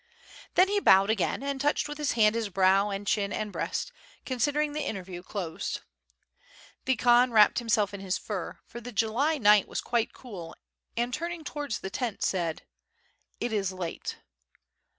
Then he bowed again, and touched with his hand his brow and chin and breast, considering the interview closed. The Khan wrapped himself in his fur, for the July night was quite cool and turning towards the tent said: "It is late